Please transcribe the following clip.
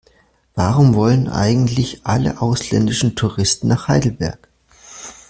Warum wollen eigentlich alle ausländischen Touristen nach Heidelberg?